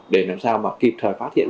để làm sao kịp thời phát hiện